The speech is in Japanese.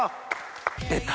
出た！